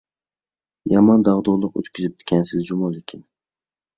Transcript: يامان داغدۇغىلىق ئۆتكۈزۈپتىكەنسىز جۇمۇ لېكىن.